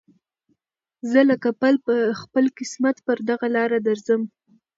زه لکه پل په خپل قسمت پر دغه لاره درځم